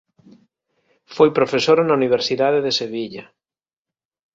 Foi profesora na Universidade de Sevilla.